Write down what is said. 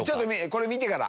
これ見てから。